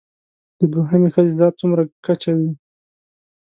د دوهمې ښځې ذات څومره کچه وي